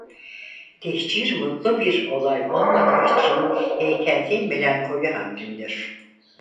Tehcir mutlu bir olay olmadığı için heykelde melankoli hakimdir.